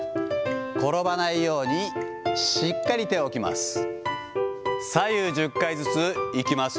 転ばないようにしっかり手を置きます。